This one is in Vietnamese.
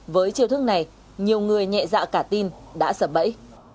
với chiêu thức này nhiều người nhẹ dạ cả tin đã sập bẫy